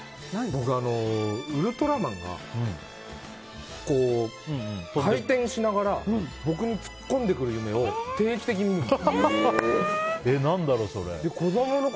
僕、ウルトラマンがこう、回転しながら僕に突っ込んでくる夢を定期的に見るの。